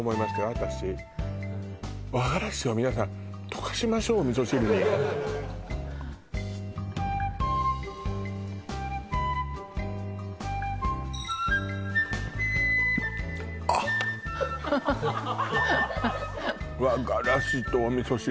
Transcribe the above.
私和がらしを皆さん溶かしましょう味噌汁にあっ和がらしとお味噌汁